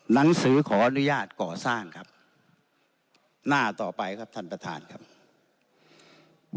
หนังสือขออนุญาตก่อสร้างครับหน้าต่อไปครับท่านประธานครับ